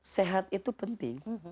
sehat itu penting